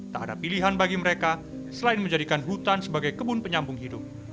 tak ada pilihan bagi mereka selain menjadikan hutan sebagai kebun penyambung hidup